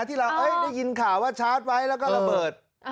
ที่เราได้ยินข่าวว่าชาร์จไว้แล้วก็ระเบิด